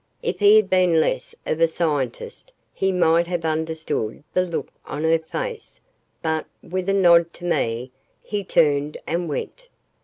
If he had been less of a scientist, he might have understood the look on her face, but, with a nod to me, he turned, and went.